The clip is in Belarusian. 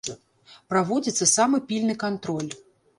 Праводзіцца самы пільны кантроль.